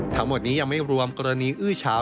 ทั้งหมดนี้ยังไม่รวมกรณีอื้อเฉา